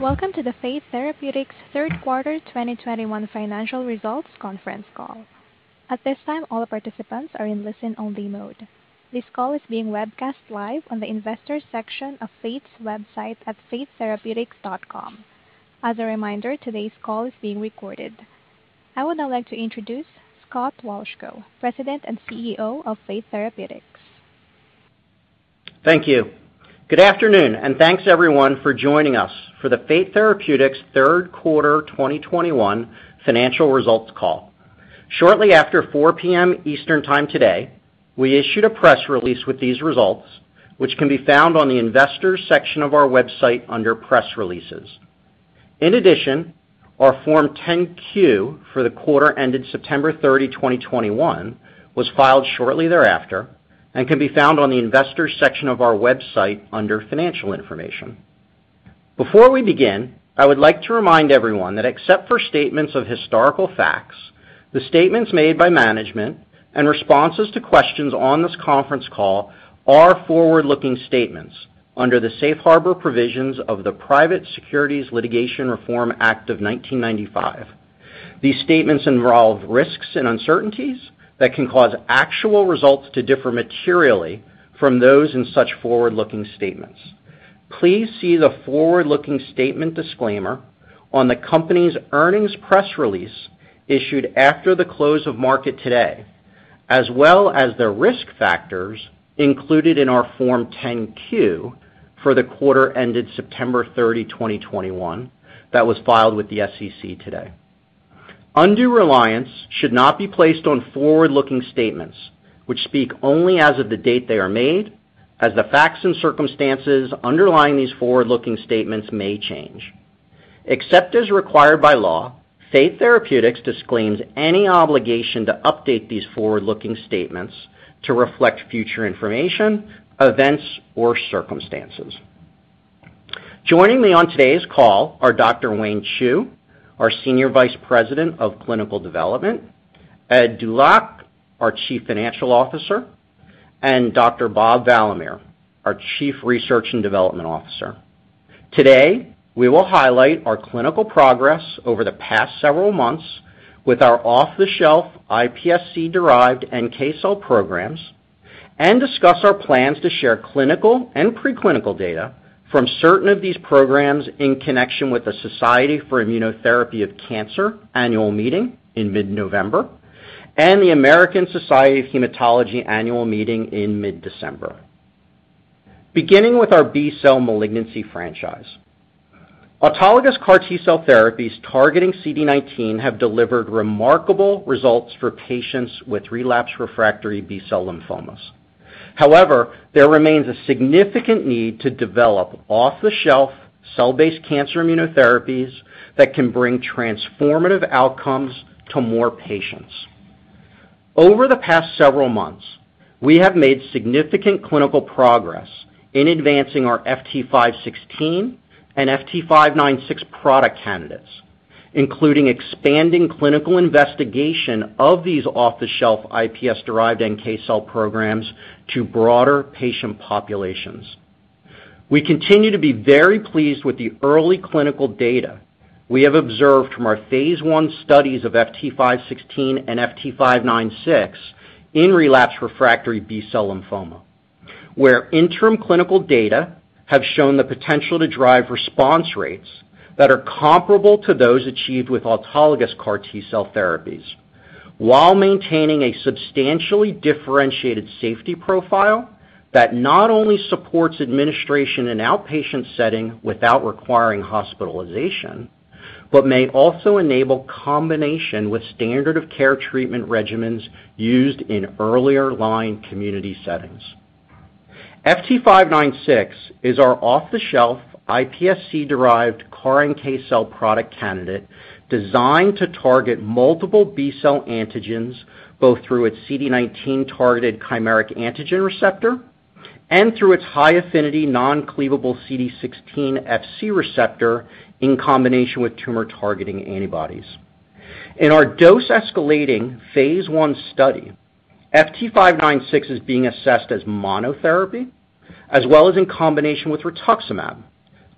Welcome to the Fate Therapeutics third quarter 2021 financial results conference call. At this time, all participants are in listen-only mode. This call is being webcast live on the Investors section of Fate's website at fatetherapeutics.com. As a reminder, today's call is being recorded. I would now like to introduce Scott Wolchko, President and CEO of Fate Therapeutics. Thank you. Good afternoon, and thanks everyone for joining us for the Fate Therapeutics third quarter 2021 financial results call. Shortly after 4:00 P.M. Eastern Time today, we issued a press release with these results, which can be found on the Investors section of our website under Press Releases. In addition, our Form 10-Q for the quarter ended September 30, 2021 was filed shortly thereafter and can be found on the Investors section of our website under Financial Information. Before we begin, I would like to remind everyone that except for statements of historical facts, the statements made by management and responses to questions on this conference call are forward-looking statements under the Safe Harbor provisions of the Private Securities Litigation Reform Act of 1995. These statements involve risks and uncertainties that can cause actual results to differ materially from those in such forward-looking statements. Please see the forward-looking statement disclaimer on the company's earnings press release issued after the close of market today, as well as the risk factors included in our Form 10-Q for the quarter ended September 30, 2021 that was filed with the SEC today. Undue reliance should not be placed on forward-looking statements which speak only as of the date they are made, as the facts and circumstances underlying these forward-looking statements may change. Except as required by law, Fate Therapeutics disclaims any obligation to update these forward-looking statements to reflect future information, events or circumstances. Joining me on today's call are Dr. Wayne Chu, our Senior Vice President of Clinical Development, Ed Dulac, our Chief Financial Officer, and Dr. Bob Valamehr, our Chief Research and Development Officer. Today, we will highlight our clinical progress over the past several months with our off-the-shelf iPSC-derived NK cell programs and discuss our plans to share clinical and preclinical data from certain of these programs in connection with the Society for Immunotherapy of Cancer Annual Meeting in mid-November and the American Society of Hematology Annual Meeting in mid-December. Beginning with our B-cell Malignancy Franchise, autologous CAR T-cell therapies targeting CD19 have delivered remarkable results for patients with relapsed/refractory B-cell lymphomas. However, there remains a significant need to develop off-the-shelf cell-based cancer immunotherapies that can bring transformative outcomes to more patients. Over the past several months, we have made significant clinical progress in advancing our FT516 and FT596 product candidates, including expanding clinical investigation of these off-the-shelf iPSC-derived NK cell programs to broader patient populations. We continue to be very pleased with the early clinical data we have observed from our phase I studies of FT516 and FT596 in relapsed/refractory B-cell lymphoma, where interim clinical data have shown the potential to drive response rates that are comparable to those achieved with autologous CAR T-cell therapies while maintaining a substantially differentiated safety profile that not only supports administration in outpatient setting without requiring hospitalization, but may also enable combination with standard of care treatment regimens used in earlier line community settings. FT596 is our off-the-shelf iPSC-derived CAR NK cell product candidate designed to target multiple B-cell antigens, both through its CD19-targeted chimeric antigen receptor and through its high-affinity non-cleavable CD16 Fc receptor in combination with tumor-targeting antibodies. In our dose-escalating phase I study, FT596 is being assessed as monotherapy as well as in combination with rituximab,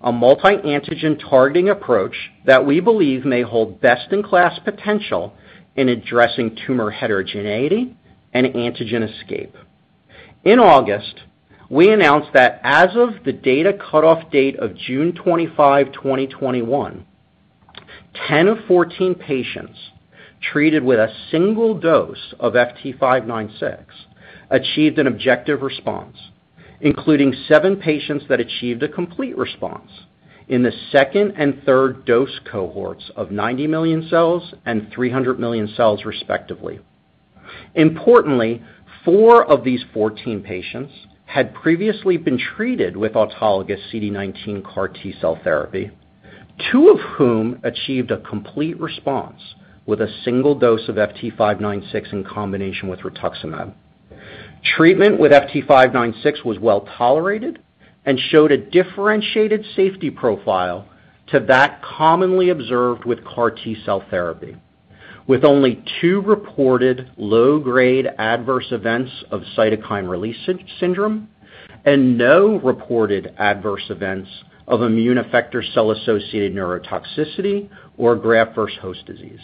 a multi-antigen targeting approach that we believe may hold best-in-class potential in addressing tumor heterogeneity and antigen escape. In August, we announced that as of the data cutoff date of June 25, 2021, 10 of 14 patients treated with a single dose of FT596 achieved an objective response, including seven patients that achieved a complete response in the second and third dose cohorts of 90 million cells and 300 million cells, respectively. Importantly, four of these 14 patients had previously been treated with autologous CD19 CAR T-cell therapy, two of whom achieved a complete response with a single dose of FT596 in combination with rituximab. Treatment with FT596 was well-tolerated and showed a differentiated safety profile to that commonly observed with CAR T-cell therapy. With only two reported low-grade adverse events of cytokine release syndrome and no reported adverse events of immune effector cell-associated neurotoxicity or graft-versus-host disease.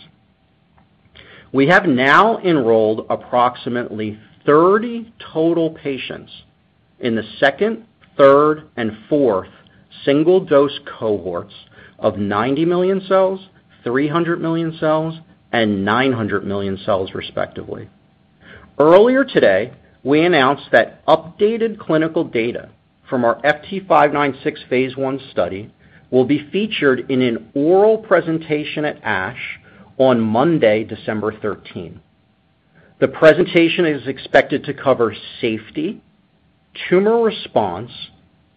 We have now enrolled approximately 30 total patients in the second, third, and fourth single-dose cohorts of 90 million cells, 300 million cells, and 900 million cells, respectively. Earlier today, we announced that updated clinical data from our FT596 phase I study will be featured in an oral presentation at ASH on Monday, December 13. The presentation is expected to cover safety, tumor response,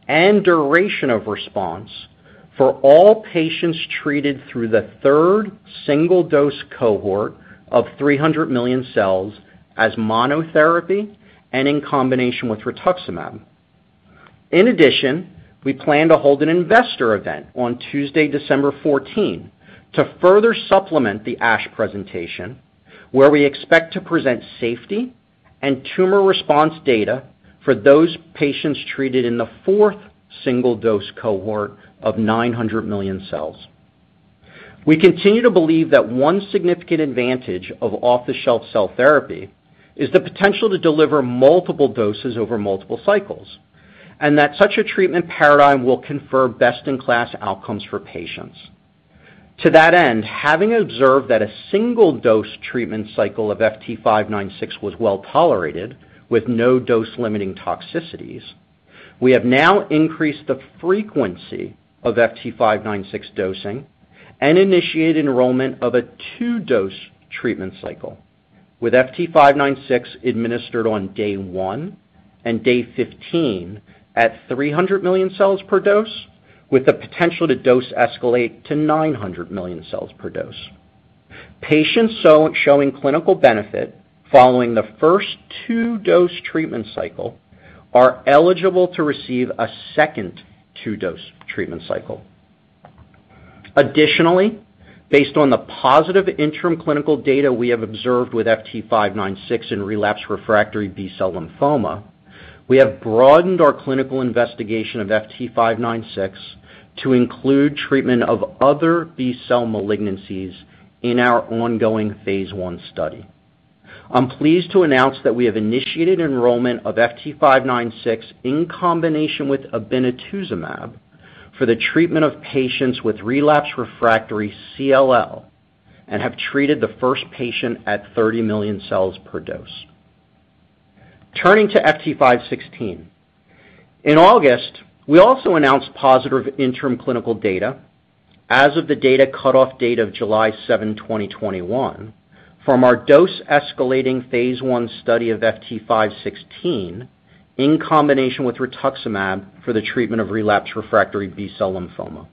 and duration of response for all patients treated through the third single-dose cohort of 300 million cells as monotherapy and in combination with rituximab. In addition, we plan to hold an investor event on Tuesday, December 14, to further supplement the ASH presentation, where we expect to present safety and tumor response data for those patients treated in the fourth single-dose cohort of 900 million cells. We continue to believe that one significant advantage of off-the-shelf cell therapy is the potential to deliver multiple doses over multiple cycles, and that such a treatment paradigm will confer best-in-class outcomes for patients. To that end, having observed that a single-dose treatment cycle of FT596 was well-tolerated with no dose-limiting toxicities, we have now increased the frequency of FT596 dosing and initiated enrollment of a two-dose treatment cycle, with FT596 administered on day one and day 15 at 300 million cells per dose, with the potential to dose escalate to 900 million cells per dose. Patients showing clinical benefit following the first two-dose treatment cycle are eligible to receive a second two-dose treatment cycle. Additionally, based on the positive interim clinical data we have observed with FT596 in relapsed/refractory B-cell lymphoma, we have broadened our clinical investigation of FT596 to include treatment of other B-cell malignancies in our ongoing phase I study. I'm pleased to announce that we have initiated enrollment of FT596 in combination with obinutuzumab for the treatment of patients with relapsed/refractory CLL and have treated the first patient at 30 million cells per dose. Turning to FT516. In August, we also announced positive interim clinical data as of the data cut-off date of July 7, 2021 from our dose-escalating phase I study of FT516 in combination with rituximab for the treatment of relapsed/refractory B-cell lymphoma.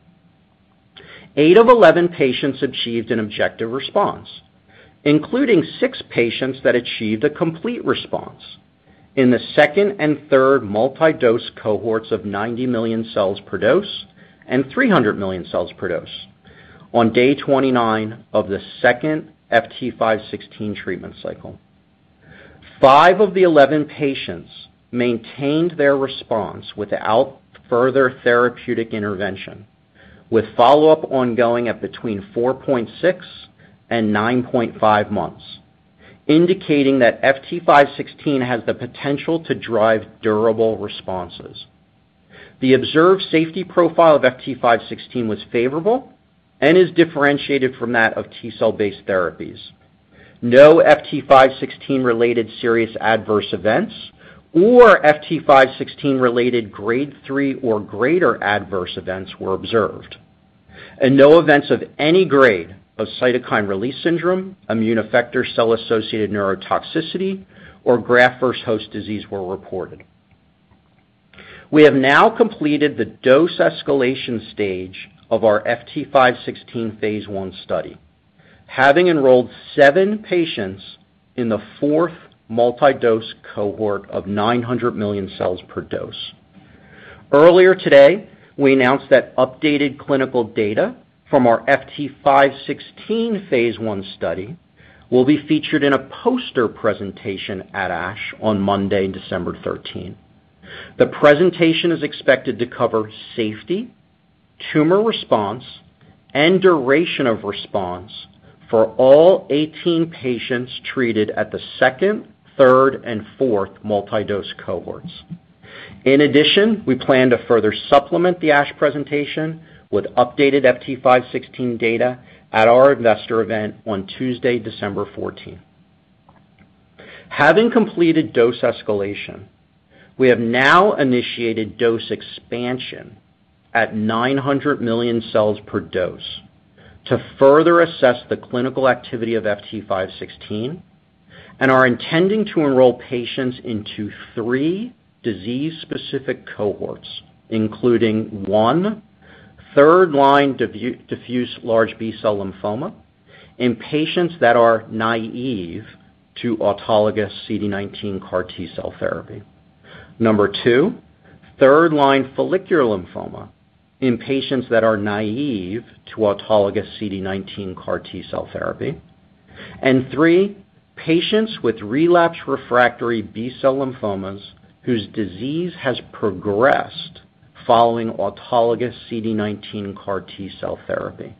Eight of 11 patients achieved an objective response, including six patients that achieved a complete response in the second and third multi-dose cohorts of 90 million cells per dose and 300 million cells per dose on day 29 of the second FT516 treatment cycle. Five of the 11 patients maintained their response without further therapeutic intervention, with follow-up ongoing at between four point six and nine point five months, indicating that FT516 has the potential to drive durable responses. The observed safety profile of FT516 was favorable and is differentiated from that of T-cell-based therapies. No FT516-related serious adverse events or FT516-related Grade 3 or greater adverse events were observed. No events of any grade of cytokine release syndrome, immune effector cell-associated neurotoxicity, or graft-versus-host disease were reported. We have now completed the dose escalation stage of our FT516 phase I study, having enrolled seven patients in the fourth multi-dose cohort of 900 million cells per dose. Earlier today, we announced that updated clinical data from our FT516 phase I study will be featured in a poster presentation at ASH on Monday, December 13. The presentation is expected to cover safety, tumor response, and duration of response for all 18 patients treated at the second, third, and fourth multi-dose cohorts. In addition, we plan to further supplement the ASH presentation with updated FT516 data at our investor event on Tuesday, December 14. Having completed dose escalation, we have now initiated dose expansion at 900 million cells per dose to further assess the clinical activity of FT516 and are intending to enroll patients into three disease-specific cohorts, including one, third-line diffuse large B-cell lymphoma in patients that are naive to autologous CD19 CAR T-cell therapy, number two, third-line follicular lymphoma in patients that are naive to autologous CD19 CAR T-cell therapy, and three, patients with relapse refractory B-cell lymphomas whose disease has progressed following autologous CD19 CAR T-cell therapy.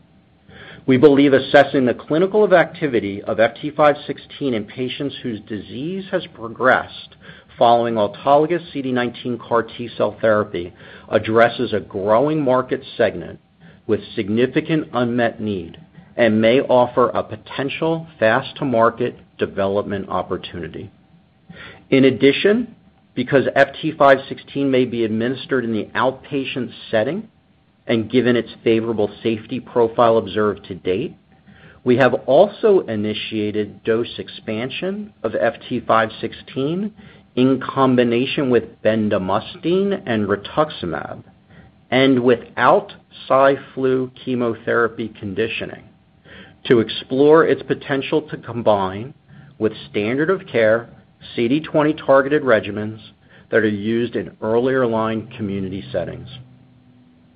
We believe assessing the clinical activity of FT516 in patients whose disease has progressed following autologous CD19 CAR T-cell therapy addresses a growing market segment with significant unmet need and may offer a potential fast-to-market development opportunity. In addition, because FT516 may be administered in the outpatient setting and given its favorable safety profile observed to date, we have also initiated dose expansion of FT516 in combination with bendamustine and rituximab and without Cy/Flu chemotherapy conditioning to explore its potential to combine with standard of care CD20-targeted regimens that are used in earlier line community settings.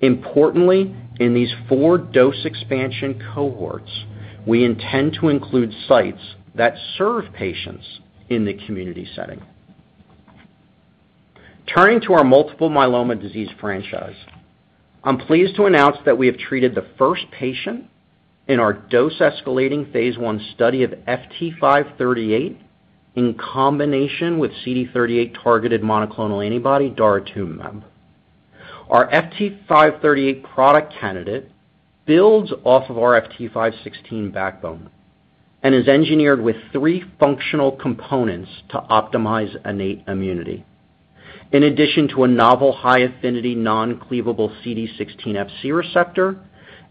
Importantly, in these four dose expansion cohorts, we intend to include sites that serve patients in the community setting. Turning to our Multiple Myeloma Disease Franchise, I'm pleased to announce that we have treated the first patient in our dose escalating phase I study of FT538 in combination with CD38-targeted monoclonal antibody daratumumab. Our FT538 product candidate builds off of our FT516 backbone and is engineered with three functional components to optimize innate immunity. In addition to a novel high-affinity non-cleavable CD16 Fc receptor,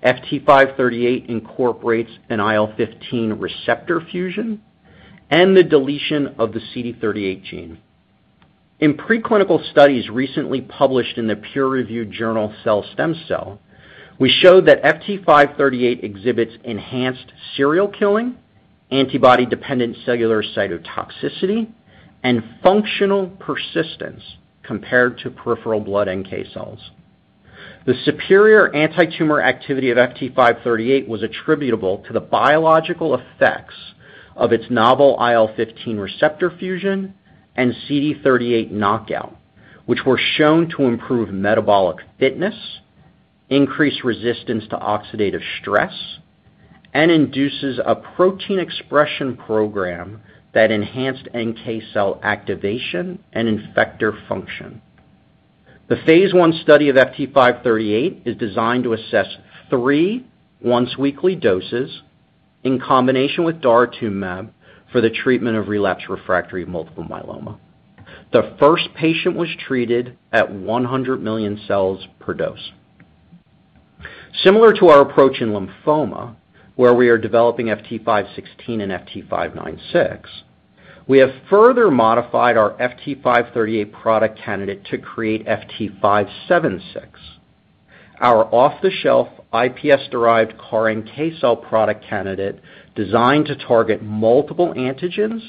FT538 incorporates an IL-15 receptor fusion and the deletion of the CD38 gene. In preclinical studies recently published in the peer-reviewed journal Cell Stem Cell, we showed that FT538 exhibits enhanced serial killing, antibody-dependent cellular cytotoxicity, and functional persistence compared to peripheral blood NK cells. The superior antitumor activity of FT538 was attributable to the biological effects of its novel IL-15 receptor fusion and CD38 knockout, which were shown to improve metabolic fitness, increase resistance to oxidative stress, and induces a protein expression program that enhanced NK cell activation and effector function. The phase I study of FT538 is designed to assess three once-weekly doses in combination with daratumumab for the treatment of relapsed/refractory multiple myeloma. The first patient was treated at 100 million cells per dose. Similar to our approach in lymphoma, where we are developing FT516 and FT596, we have further modified our FT538 product candidate to create FT576. Our off-the-shelf iPSC-derived CAR NK cell product candidate designed to target multiple antigens,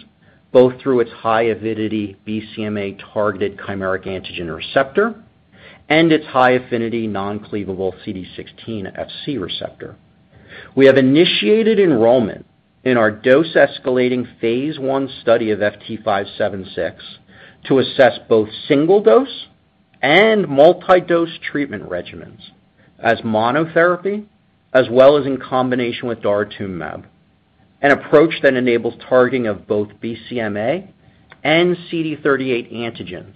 both through its high avidity BCMA-targeted chimeric antigen receptor and its high-affinity non-cleavable CD16 Fc receptor. We have initiated enrollment in our dose-escalating phase I study of FT576 to assess both single-dose and multi-dose treatment regimens as monotherapy, as well as in combination with daratumumab, an approach that enables targeting of both BCMA and CD38 antigens,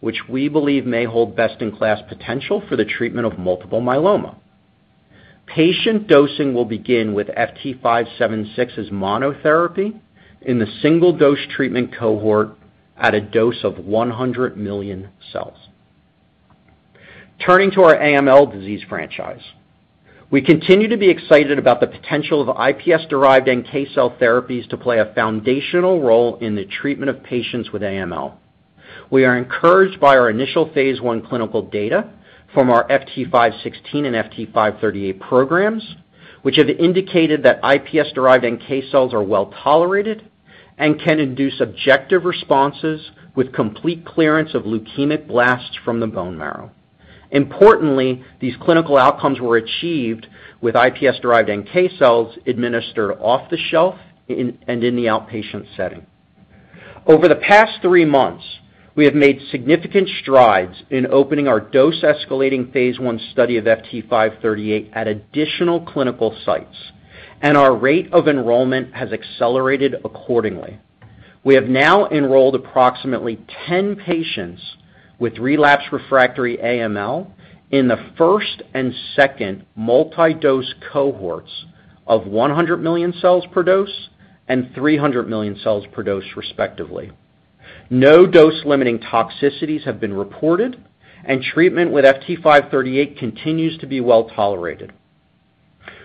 which we believe may hold best-in-class potential for the treatment of multiple myeloma. Patient dosing will begin with FT576 as monotherapy in the single-dose treatment cohort at a dose of 100 million cells. Turning to our AML disease franchise, we continue to be excited about the potential of iPSC-derived NK cell therapies to play a foundational role in the treatment of patients with AML. We are encouraged by our initial phase I clinical data from our FT516 and FT538 programs, which have indicated that iPSC-derived NK cells are well-tolerated and can induce objective responses with complete clearance of leukemic blasts from the bone marrow. Importantly, these clinical outcomes were achieved with iPSC-derived NK cells administered off-the-shelf, and in the outpatient setting. Over the past three months, we have made significant strides in opening our dose-escalating phase I study of FT538 at additional clinical sites, and our rate of enrollment has accelerated accordingly. We have now enrolled approximately 10 patients with relapsed/refractory AML in the first and second multi-dose cohorts of 100 million cells per dose and 300 million cells per dose, respectively. No dose-limiting toxicities have been reported, and treatment with FT538 continues to be well-tolerated.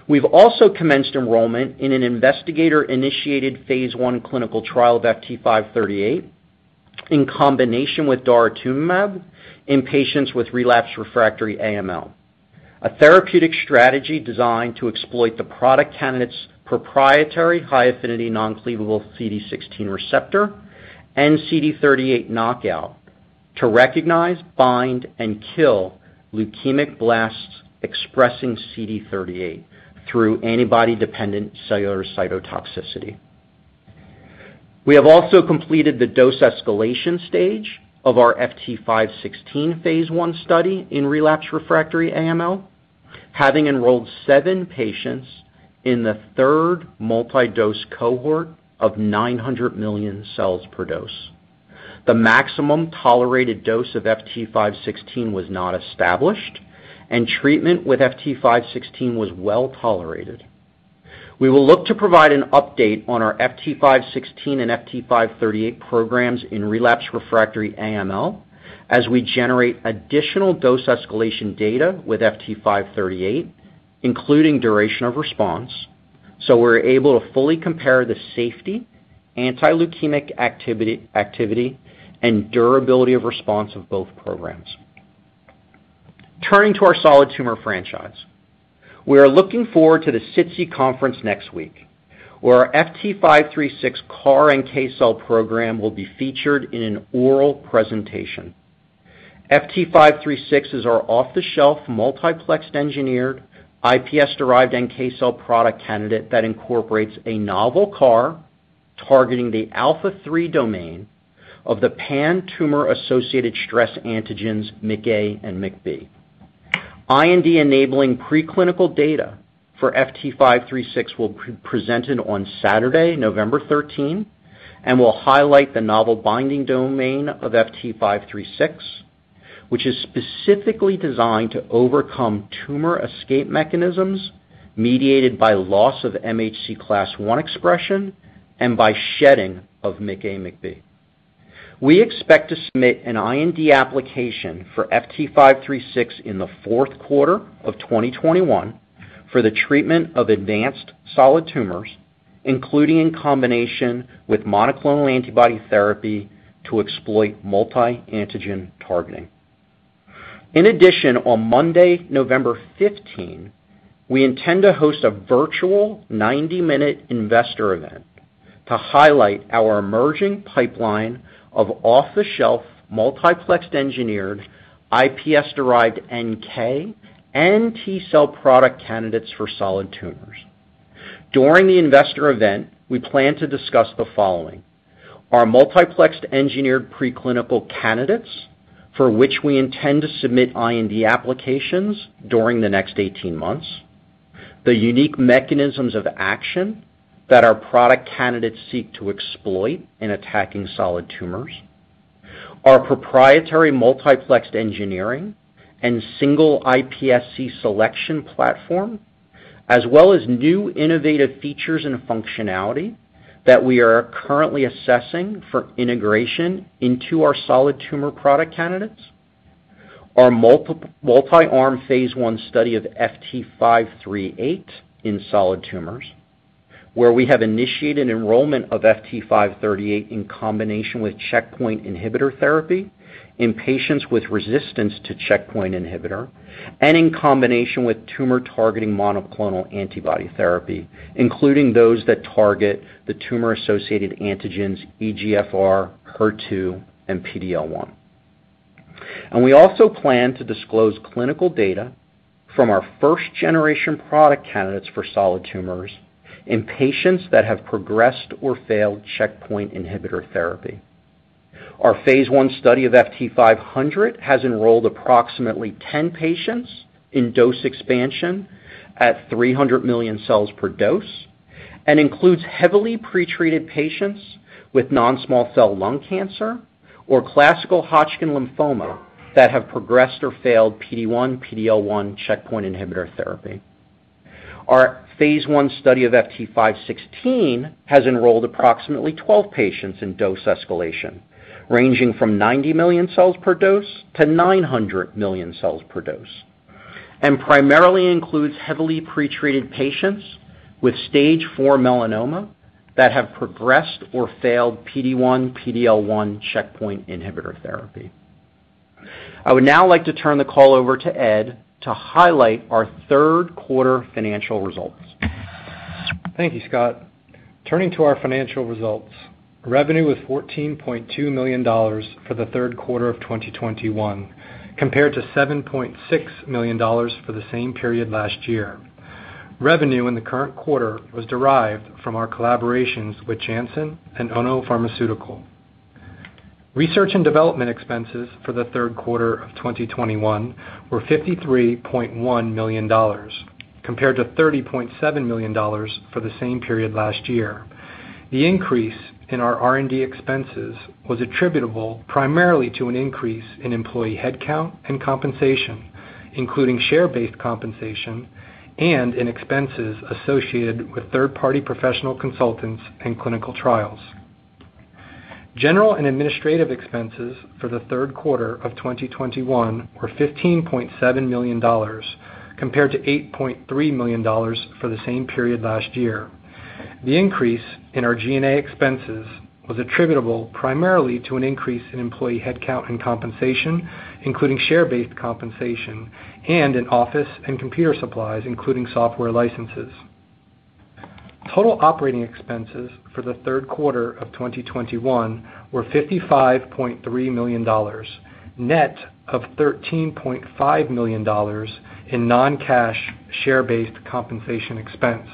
We have also commenced enrollment in an investigator-initiated phase I clinical trial of FT538 in combination with daratumumab in patients with relapsed/refractory AML. A therapeutic strategy designed to exploit the product candidate's proprietary high-affinity non-cleavable CD16 receptor and CD38 knockout to recognize, bind, and kill leukemic blasts expressing CD38 through antibody-dependent cellular cytotoxicity. We have also completed the dose escalation stage of our FT516 phase I study in relapsed/refractory AML, having enrolled seven patients in the third multi-dose cohort of 900 million cells per dose. The maximum tolerated dose of FT516 was not established, and treatment with FT516 was well-tolerated. We will look to provide an update on our FT516 and FT538 programs in relapsed/refractory AML as we generate additional dose escalation data with FT538, including duration of response, so we're able to fully compare the safety, anti-leukemic activity, and durability of response of both programs. Turning to our Solid Tumor Franchise. We are looking forward to the SITC conference next week, where our FT536 CAR NK cell program will be featured in an oral presentation. FT536 is our off-the-shelf multiplexed engineered iPSC-derived NK cell product candidate that incorporates a novel CAR targeting the alpha-3 domain of the pan-tumor-associated stress antigens MICA and MICB. IND-enabling preclinical data for FT536 will be presented on Saturday, November 13, and will highlight the novel binding domain of FT536, which is specifically designed to overcome tumor escape mechanisms mediated by loss of MHC class I expression and by shedding of MICA, MICB. We expect to submit an IND application for FT536 in the fourth quarter of 2021 for the treatment of advanced solid tumors, including in combination with monoclonal antibody therapy to exploit multi-antigen targeting. In addition, on Monday, November 15, we intend to host a virtual 90-minute investor event to highlight our emerging pipeline of off-the-shelf multiplexed engineered iPSC-derived NK and T cell product candidates for solid tumors. During the investor event, we plan to discuss the following. Our multiplexed engineered preclinical candidates for which we intend to submit IND applications during the next 18 months, the unique mechanisms of action that our product candidates seek to exploit in attacking solid tumors, our proprietary multiplexed engineering and single iPSC selection platform, as well as new innovative features and functionality that we are currently assessing for integration into our solid tumor product candidates, our multi-arm phase I study of FT538 in solid tumors, where we have initiated enrollment of FT538 in combination with checkpoint inhibitor therapy in patients with resistance to checkpoint inhibitor and in combination with tumor-targeting monoclonal antibody therapy, including those that target the tumor-associated antigens EGFR, HER2, and PDL1. We also plan to disclose clinical data from our first-generation product candidates for solid tumors in patients that have progressed or failed checkpoint inhibitor therapy. Our phase I study of FT500 has enrolled approximately 10 patients in dose expansion at 300 million cells per dose and includes heavily pretreated patients with non-small cell lung cancer or classical Hodgkin lymphoma that have progressed or failed PD1, PDL1 checkpoint inhibitor therapy. Our phase I study of FT516 has enrolled approximately 12 patients in dose escalation, ranging from 90 million cells per dose to 900 million cells per dose, and primarily includes heavily pretreated patients with stage four melanoma that have progressed or failed PD1, PDL1 checkpoint inhibitor therapy. I would now like to turn the call over to Ed to highlight our third quarter financial results. Thank you, Scott. Turning to our financial results, revenue was $14.2 million for the third quarter of 2021 compared to $7.6 million for the same period last year. Revenue in the current quarter was derived from our collaborations with Janssen and Ono Pharmaceutical. Research and development expenses for the third quarter of 2021 were $53.1 million compared to $30.7 million for the same period last year. The increase in our R&D expenses was attributable primarily to an increase in employee headcount and compensation, including share-based compensation and expenses associated with third-party professional consultants and clinical trials. General and administrative expenses for the third quarter of 2021 were $15.7 million compared to $8.3 million for the same period last year. The increase in our G&A expenses was attributable primarily to an increase in employee headcount and compensation, including share-based compensation and in office and computer supplies, including software licenses. Total operating expenses for the third quarter of 2021 were $55.3 million, net of $13.5 million in non-cash share-based compensation expense.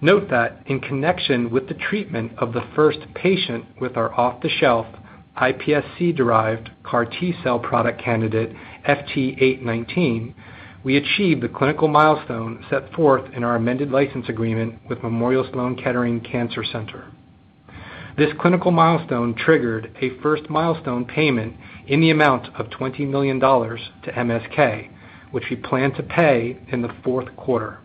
Note that in connection with the treatment of the first patient with our off-the-shelf iPSC-derived CAR T-cell product candidate FT819, we achieved the clinical milestone set forth in our amended license agreement with Memorial Sloan Kettering Cancer Center. This clinical milestone triggered a first milestone payment in the amount of $20 million to MSK, which we plan to pay in the fourth quarter.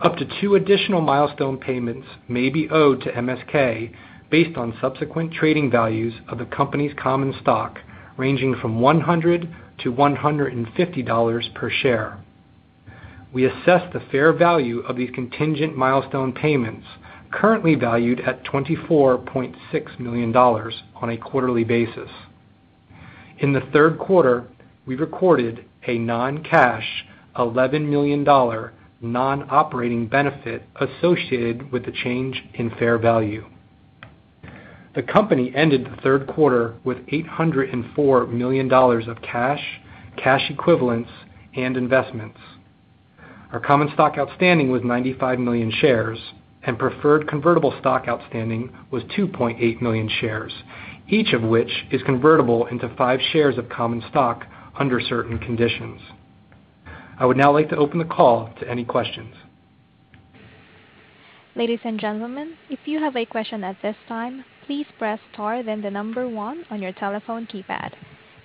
Up to two additional milestone payments may be owed to MSK based on subsequent trading values of the company's common stock, ranging from $100-$150 per share. We assess the fair value of these contingent milestone payments, currently valued at $24.6 million on a quarterly basis. In the third quarter, we recorded a non-cash $11 million non-operating benefit associated with the change in fair value. The company ended the third quarter with $804 million of cash, cash equivalents, and investments. Our common stock outstanding was 95 million shares, and preferred convertible stock outstanding was 2.8 million shares, each of which is convertible into five shares of common stock under certain conditions. I would now like to open the call to any questions. Ladies and gentlemen, if you have a question at this time, please press star then the number one on your telephone keypad.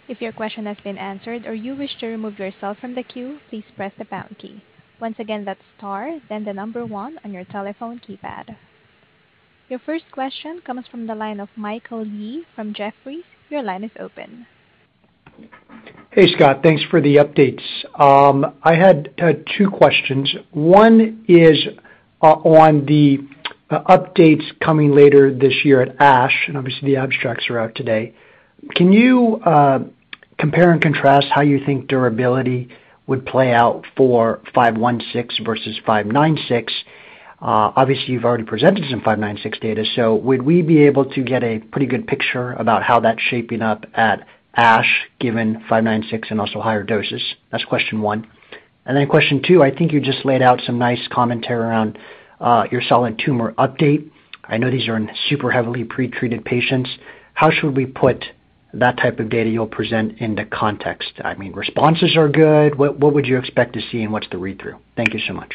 If your question has been answered or you wish to remove yourself from the queue, please press the pound key. Once again, that's star then the number one on your telephone keypad. Your first question comes from the line of Michael Yee from Jefferies. Your line is open. Hey, Scott. Thanks for the updates. I had two questions. One is on the updates coming later this year at ASH, and obviously, the abstracts are out today. Can you compare and contrast how you think durability would play out for FT516 versus FT596? Obviously, you've already presented some FT596 data. So would we be able to get a pretty good picture about how that's shaping up at ASH, given FT596 and also higher doses? That's question one. Then question two, I think you just laid out some nice commentary around your solid tumor update. I know these are in super heavily pretreated patients. How should we put that type of data you'll present into context? I mean, responses are good. What would you expect to see and what's the read-through? Thank you so much.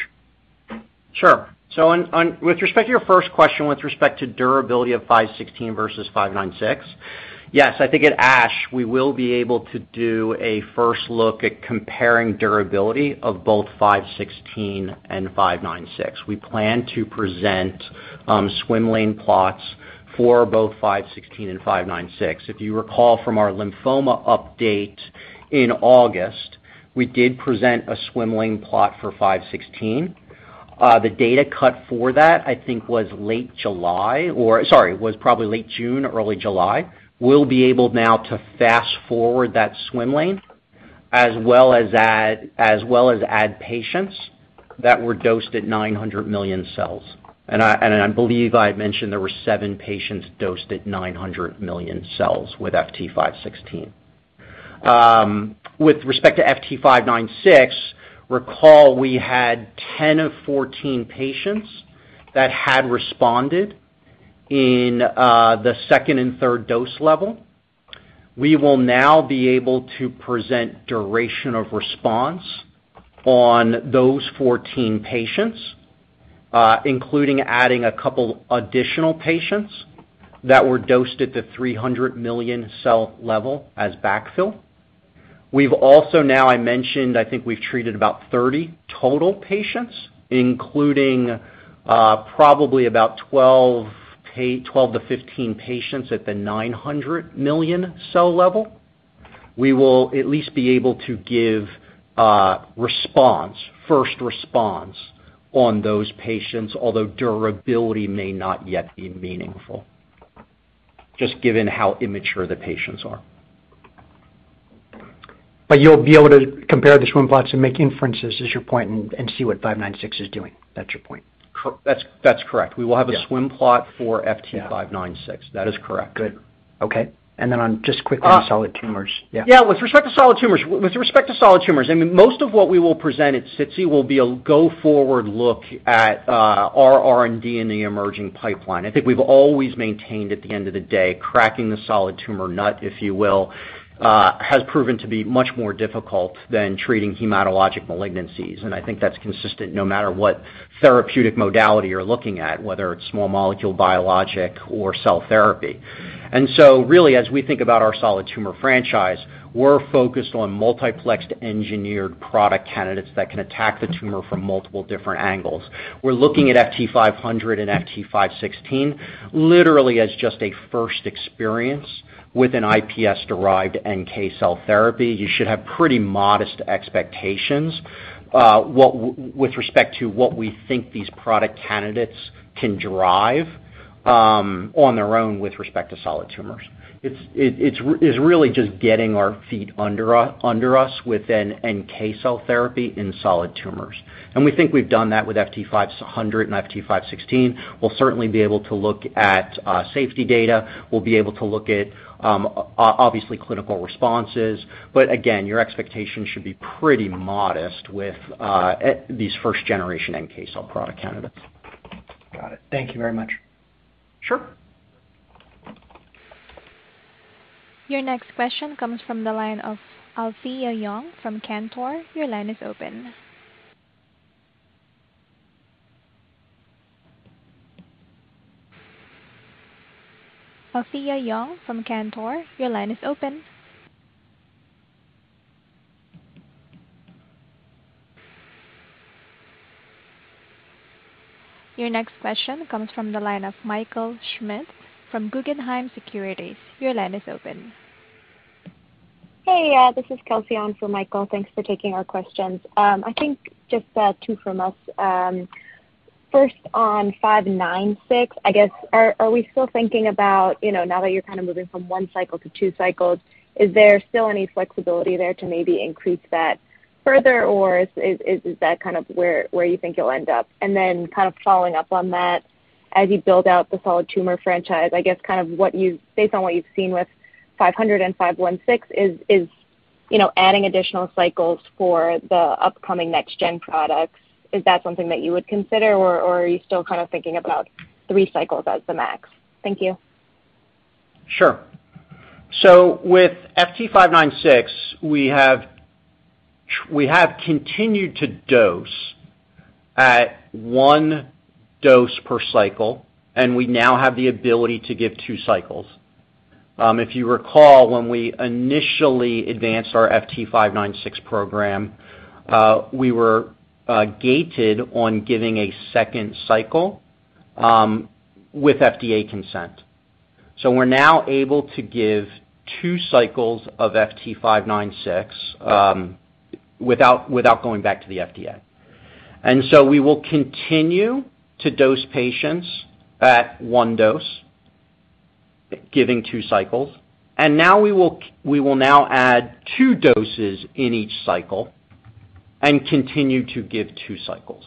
Sure. With respect to your first question, with respect to durability of FT516 versus FT596, yes, I think at ASH we will be able to do a first look at comparing durability of both FT516 and FT596. We plan to present swim lane plots for both FT516 and FT596. If you recall from our lymphoma update in August, we did present a swim lane plot for FT516. The data cut for that, I think, was late July. Sorry, it was probably late June or early July. We'll be able now to fast-forward that swim lane as well as add patients that were dosed at 900 million cells. I believe I mentioned there were seven patients dosed at 900 million cells with FT516. With respect to FT596, recall we had 10 of 14 patients that had responded in the second and third dose level. We will now be able to present duration of response on those 14 patients, including adding a couple additional patients that were dosed at the 300 million cell level as backfill. We've also now, as I mentioned, I think we've treated about 30 total patients, including probably about 12-15 patients at the 900 million cell level. We will at least be able to give first response on those patients, although durability may not yet be meaningful, just given how immature the patients are. You'll be able to compare the swim plots and make inferences is your point and see what FT596 is doing. That's your point. That's correct. Yeah. We will have a swim plot for. Yeah. FT596. That is correct. Good. Okay. Uh. On solid tumors. Yeah. Yeah. With respect to solid tumors, I mean, most of what we will present at SITC will be a go-forward look at our R&D in the emerging pipeline. I think we've always maintained at the end of the day, cracking the solid tumor nut, if you will, has proven to be much more difficult than treating hematologic malignancies. I think that's consistent no matter what therapeutic modality you're looking at, whether it's small molecule, biologic or cell therapy. Really, as we think about our Solid Tumor Franchise, we're focused on multiplexed engineered product candidates that can attack the tumor from multiple different angles. We're looking at FT500 and FT516 literally as just a first experience with an iPSC-derived NK cell therapy. You should have pretty modest expectations what with respect to what we think these product candidates can drive, on their own with respect to solid tumors. It's really just getting our feet under us with an NK cell therapy in solid tumors. We think we've done that with FT500 and FT516. We'll certainly be able to look at safety data. We'll be able to look at obviously clinical responses. Again, your expectations should be pretty modest with these first generation NK cell product candidates. Got it. Thank you very much. Sure. Your next question comes from the line of Alethia Young from Cantor Fitzgerald. Your line is open. Alethia Young from Cantor Fitzgerald, your line is open. Your next question comes from the line of Michael Schmidt from Guggenheim Securities. Your line is open. Hey, this is Kelsey on for Michael. Thanks for taking our questions. I think just two from us. First on FT596, I guess, are we still thinking about, you know, now that you're kind of moving from one cycle to two cycles, is there still any flexibility there to maybe increase that further, or is that kind of where you think you'll end up? Then kind of following up on that, as you build out the Solid Tumor Franchise, I guess kind of based on what you've seen with FT500 and FT516, you know, adding additional cycles for the upcoming next-gen products, is that something that you would consider or are you still kind of thinking about three cycles as the max? Thank you. Sure. With FT596, we have continued to dose at one dose per cycle, and we now have the ability to give two cycles. If you recall, when we initially advanced our FT596 program, we were gated on giving a second cycle with FDA consent. We're now able to give two cycles of FT596 without going back to the FDA. We will continue to dose patients at one dose, giving two cycles. Now we will now add two doses in each cycle and continue to give two cycles.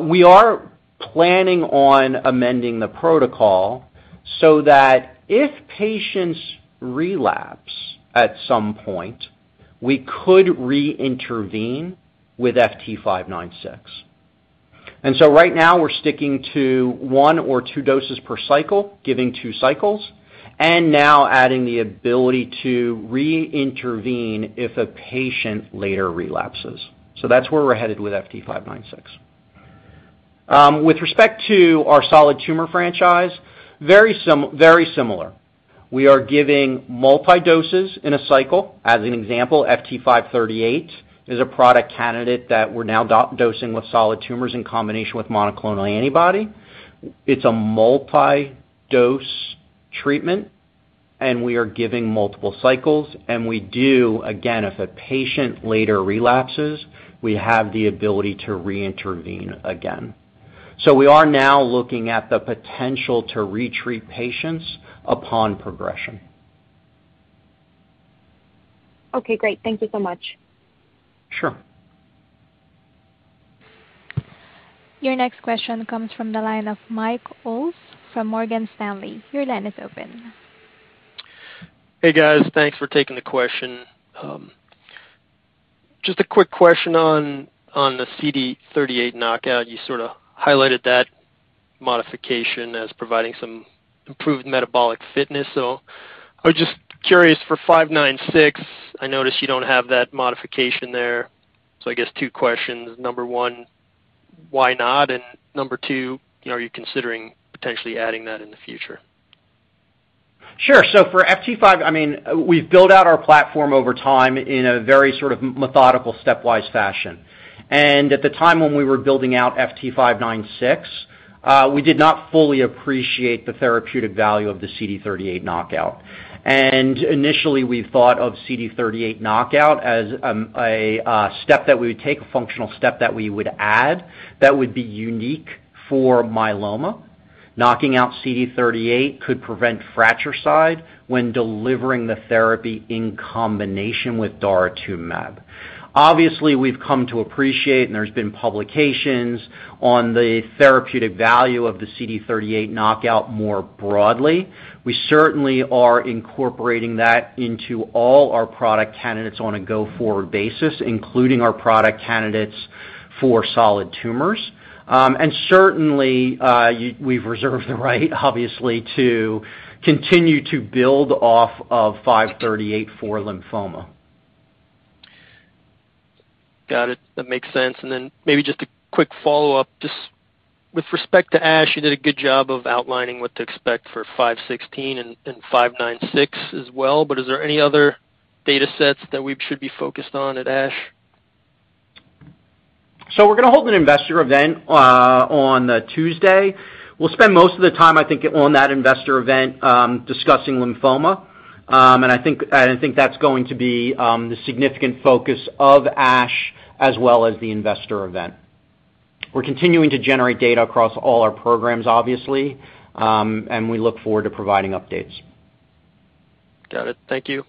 We are planning on amending the protocol so that if patients relapse at some point, we could re-intervene with FT596. Right now we're sticking to one or two doses per cycle, giving two cycles, and now adding the ability to re-intervene if a patient later relapses. That's where we're headed with FT596. With respect to our Solid Tumor Franchise, very similar. We are giving multi-doses in a cycle. As an example, FT538 is a product candidate that we're now dosing with solid tumors in combination with monoclonal antibody. It's a multi-dose treatment, and we are giving multiple cycles. Again, if a patient later relapses, we have the ability to re-intervene again. We are now looking at the potential to re-treat patients upon progression. Okay, great. Thank you so much. Sure. Your next question comes from the line of Mike Ulz from Morgan Stanley. Your line is open. Hey, guys. Thanks for taking the question. Just a quick question on the CD38 knockout. You sort of highlighted that modification as providing some improved metabolic fitness. I was just curious for FT596. I noticed you don't have that modification there. I guess two questions. Number one, why not? And number two, you know, are you considering potentially adding that in the future? Sure. I mean, we've built out our platform over time in a very sort of methodical stepwise fashion. At the time when we were building out FT596, we did not fully appreciate the therapeutic value of the CD38 knockout. Initially, we thought of CD38 knockout as a step that we would take, a functional step that we would add that would be unique for myeloma. Knocking out CD38 could prevent fratricide when delivering the therapy in combination with daratumumab. Obviously, we've come to appreciate, and there's been publications on the therapeutic value of the CD38 knockout more broadly. We certainly are incorporating that into all our product candidates on a go-forward basis, including our product candidates for solid tumors. Certainly, we've reserved the right, obviously, to continue to build off of FT538 for lymphoma. Got it. That makes sense. Maybe just a quick follow-up. Just with respect to ASH, you did a good job of outlining what to expect for FT516 and FT596 as well, but is there any other data sets that we should be focused on at ASH? We're gonna hold an investor event on Tuesday. We'll spend most of the time, I think, on that investor event discussing lymphoma. I think that's going to be the significant focus of ASH as well as the investor event. We're continuing to generate data across all our programs, obviously, and we look forward to providing updates. Got it. Thank you.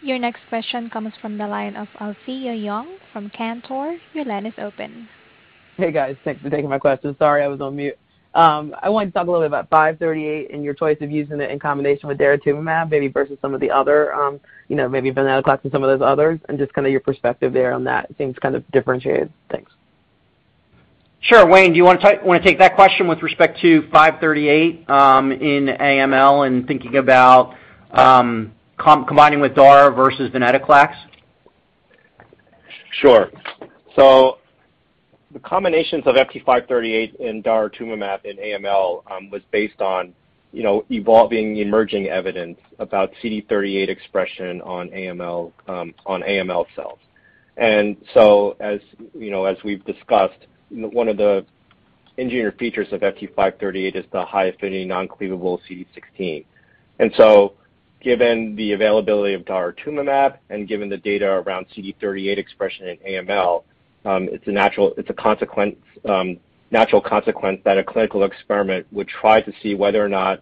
Your next question comes from the line of Alethia Young from Cantor Fitzgerald. Your line is open. Hey, guys. Thanks for taking my question. Sorry, I was on mute. I wanted to talk a little bit about FT538 and your choice of using it in combination with daratumumab, maybe versus some of the other, you know, maybe venetoclax and some of those others, and just kinda your perspective there on that. It seems kind of differentiated. Thanks. Sure. Wayne, do you wanna take that question with respect to FT538, in AML and thinking about, combining with dara versus venetoclax? Sure. The combinations of FT538 and daratumumab in AML was based on, you know, evolving emerging evidence about CD38 expression on AML, on AML cells. As, you know, as we've discussed, one of the engineered features of FT538 is the high affinity non-cleavable CD16. Given the availability of daratumumab and given the data around CD38 expression in AML, it's a consequence, natural consequence that a clinical experiment would try to see whether or not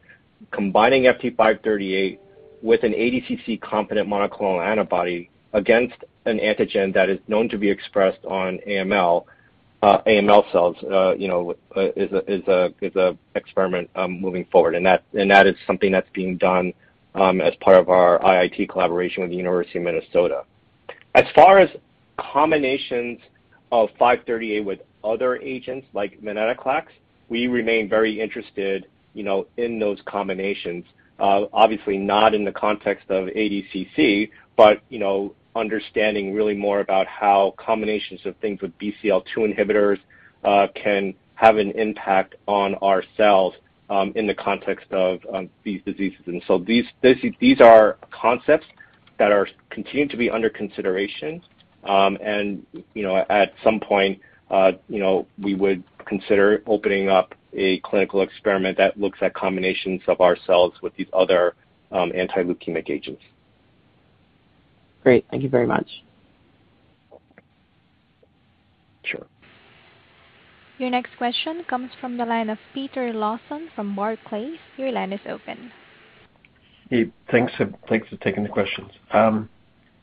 combining FT538 with an ADCC competent monoclonal antibody against an antigen that is known to be expressed on AML, AML cells, you know, is an experiment moving forward. That is something that's being done as part of our IIT collaboration with the University of Minnesota. As far as combinations of FT538 with other agents like venetoclax, we remain very interested, you know, in those combinations. Obviously not in the context of ADCC, but, you know, understanding really more about how combinations of things with BCL-2 inhibitors can have an impact on our cells in the context of these diseases. These are concepts that are continuing to be under consideration, and, you know, at some point, you know, we would consider opening up a clinical experiment that looks at combinations of our cells with these other anti-leukemic agents. Great. Thank you very much. Sure. Your next question comes from the line of Peter Lawson from Barclays. Your line is open. Hey, thanks for taking the questions.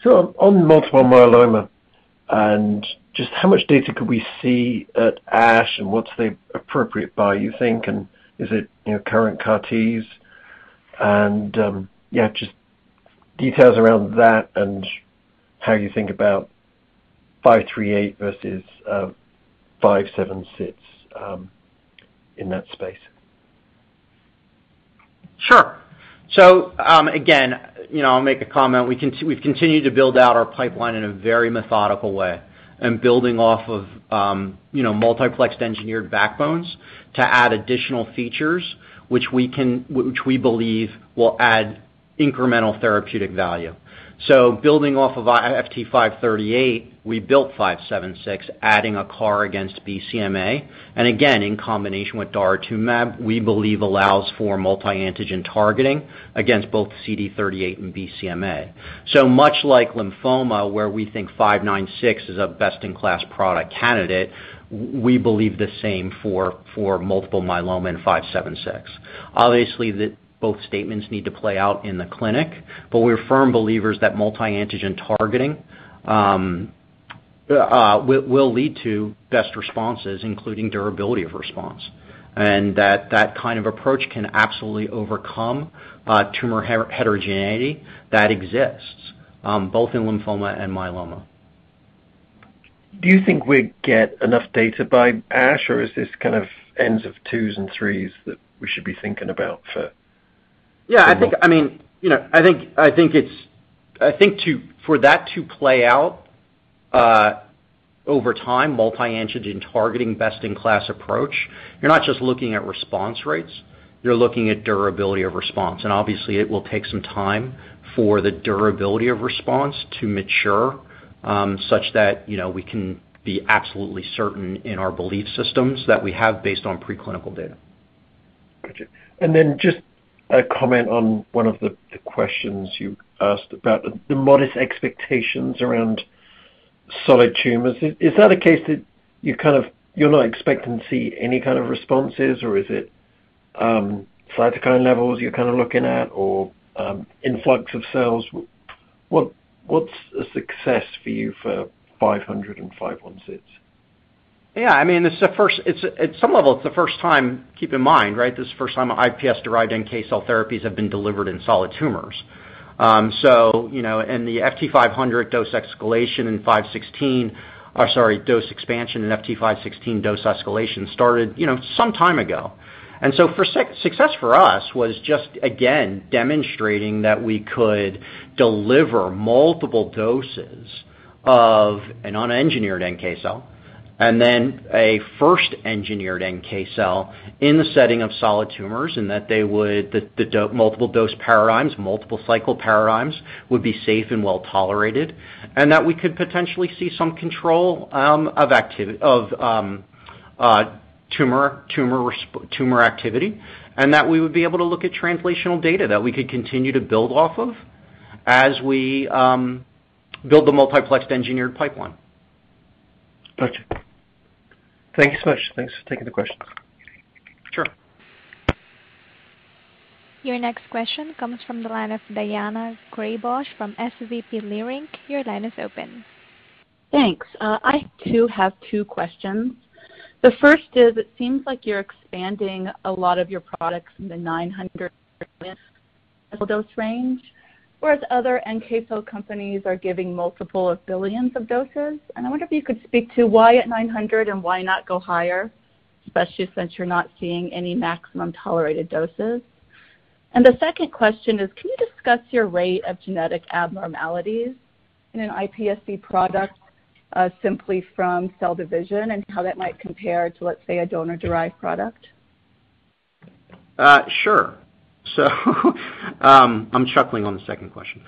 So on multiple myeloma and just how much data could we see at ASH, and what's the appropriate bar you think, and is it, you know, current CAR Ts? Yeah, just details around that and how you think about FT538 versus FT576 in that space. Sure. Again, you know, I'll make a comment. We've continued to build out our pipeline in a very methodical way and building off of, you know, multiplexed engineered backbones to add additional features which we believe will add incremental therapeutic value. Building off of, FT538, we built FT576, adding a CAR against BCMA, and again, in combination with daratumumab, we believe allows for multi-antigen targeting against both CD38 and BCMA. Much like lymphoma, where we think FT596 is a best-in-class product candidate, we believe the same for multiple myeloma and FT576. Obviously, both statements need to play out in the clinic, but we're firm believers that multi-antigen targeting will lead to best responses, including durability of response. That kind of approach can absolutely overcome tumor heterogeneity that exists both in lymphoma and myeloma. Do you think we'd get enough data by ASH, or is this kind of ends of twos and threes that we should be thinking about for? Yeah, I think, I mean, you know, it's for that to play out over time, multi-antigen targeting best-in-class approach, you're not just looking at response rates. You're looking at durability of response. Obviously, it will take some time for the durability of response to mature such that you know we can be absolutely certain in our belief systems that we have based on preclinical data. Gotcha. Just a comment on one of the questions you asked about the modest expectations around solid tumors. Is that a case that you kind of, you're not expecting to see any kind of responses or is it, cytokine levels you're kind of looking at or, influx of cells? What's a success for you for FT500 and FT516? Yeah, I mean, it's the first time. Keep in mind, right, this is the first time iPSC-derived NK cell therapies have been delivered in solid tumors. So, you know, in the FT500 dose escalation in FT516, or sorry, dose expansion in FT516 dose escalation started, you know, some time ago. For success for us was just, again, demonstrating that we could deliver multiple doses of an unengineered NK cell, and then a first engineered NK cell in the setting of solid tumors, and that they would the multi-dose paradigms, multiple cycle paradigms would be safe and well-tolerated. That we could potentially see some control of activity. Of tumor activity, and that we would be able to look at translational data that we could continue to build off of as we build the multiplexed engineered pipeline. Gotcha. Thank you so much. Thanks for taking the question. Sure. Your next question comes from the line of Daina Graybosch from SVB Leerink. Your line is open. Thanks. I too have two questions. The first is, it seems like you're expanding a lot of your products in the 900 million dose range, whereas other NK cell companies are giving multiples of billions of doses. I wonder if you could speak to why at 900 and why not go higher, especially since you're not seeing any maximum tolerated doses. The second question is, can you discuss your rate of genetic abnormalities in an iPSC product, simply from cell division and how that might compare to, let's say, a donor-derived product? Sure. I'm chuckling on the second question.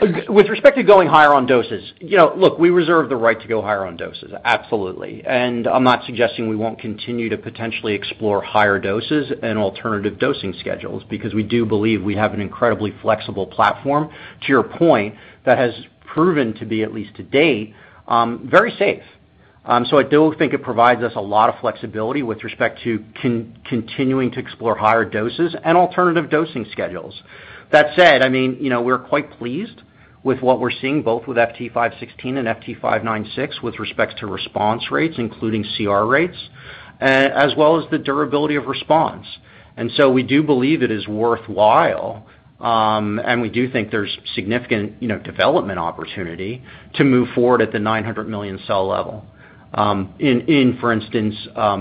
With respect to going higher on doses, you know, look, we reserve the right to go higher on doses. Absolutely. I'm not suggesting we won't continue to potentially explore higher doses and alternative dosing schedules because we do believe we have an incredibly flexible platform, to your point, that has proven to be, at least to date, very safe. I do think it provides us a lot of flexibility with respect to continuing to explore higher doses and alternative dosing schedules. That said, I mean, you know, we're quite pleased with what we're seeing both with FT516 and FT596 with respect to response rates, including CR rates, as well as the durability of response. We do believe it is worthwhile, and we do think there's significant, you know, development opportunity to move forward at the 900 million cell level, in for instance,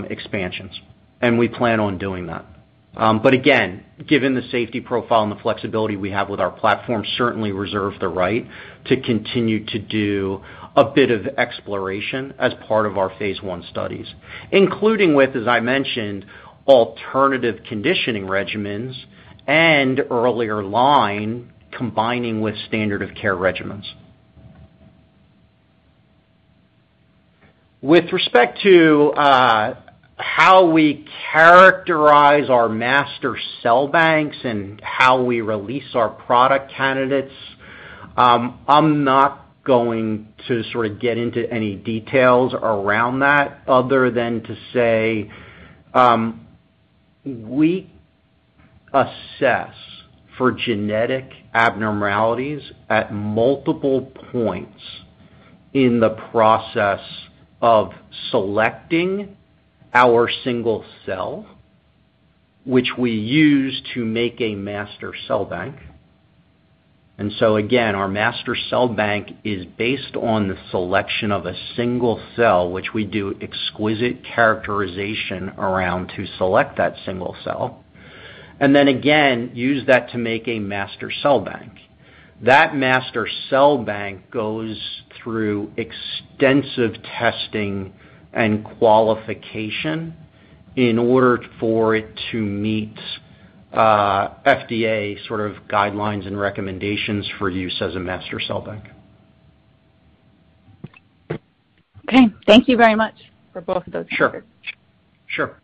expansions, and we plan on doing that. Again, given the safety profile and the flexibility we have with our platform, we certainly reserve the right to continue to do a bit of exploration as part of our phase I studies, including with, as I mentioned, alternative conditioning regimens and earlier line combining with standard of care regimens. With respect to how we characterize our master cell banks and how we release our product candidates, I'm not going to sort of get into any details around that other than to say we assess for genetic abnormalities at multiple points in the process of selecting our single cell, which we use to make a master cell bank. Again, our master cell bank is based on the selection of a single cell, which we do exquisite characterization around to select that single cell, and then again, use that to make a master cell bank. That master cell bank goes through extensive testing and qualification in order for it to meet FDA sort of guidelines and recommendations for use as a master cell bank. Okay. Thank you very much for both of those. Sure. Sure.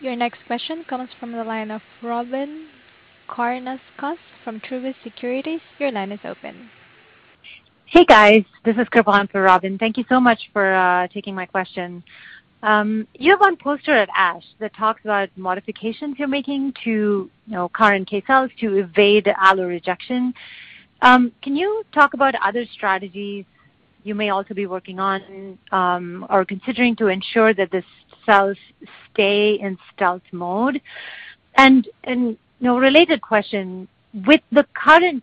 Your next question comes from the line of Robyn Karnauskas from Truist Securities. Your line is open. Hey, guys. This is [Karplon] for Robyn. Thank you so much for taking my question. You have one poster at ASH that talks about modifications you're making to, you know, current NK cells to evade allorejection. Can you talk about other strategies you may also be working on, or considering to ensure that the cells stay in stealth mode? And you know, a related question, with the current